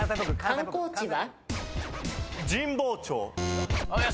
観光地は？